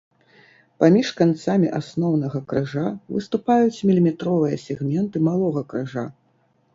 Паміж канцамі асноўнага крыжа выступаюць міліметровыя сегменты малога крыжа.